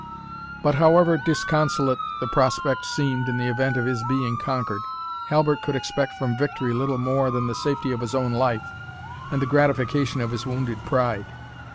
But however disconsolate the prospect seemed in the event of his being conquered, Halbert could expect from victory little more than the safety of his own life, and the gratification of his wounded pride.